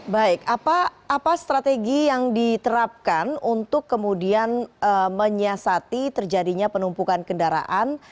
baik apa strategi yang diterapkan untuk kemudian menyiasati terjadinya penumpukan kendaraan